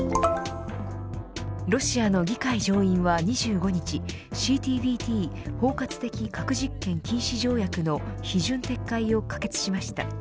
ロシアの議会上院は２５日ＣＴＢＴ＝包括的核実験禁止条約の批准撤回を可決しました。